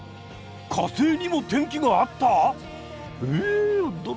火星にも天気があった！？え驚き！